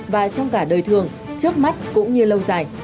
và trong cả đời thường trước mắt cũng như lâu dài